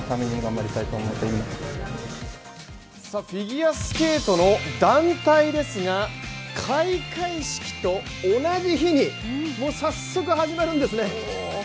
フィギュアスケートの団体ですが、開会式と同じ日に早速始まるんですね。